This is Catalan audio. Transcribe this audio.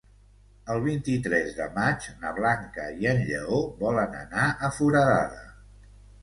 El vint-i-tres de maig na Blanca i en Lleó volen anar a Foradada.